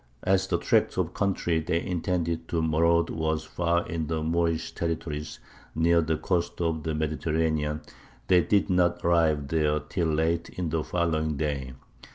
As the tract of country they intended to maraud was far in the Moorish territories, near the coast of the Mediterranean, they did not arrive there till late in the following day.